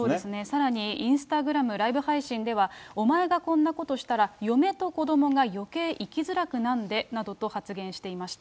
さらに、インスタグラム、ライブ配信では、お前がこんなことしたら嫁と子どもがよけい生きづらくなんでなどと発言していました。